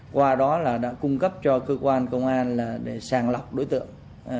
qua đó là đã cung cấp cho cơ quan công an để sàng lọc đối tượng